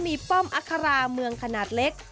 มีป้อมอัคราเมืองขนาดเล็ก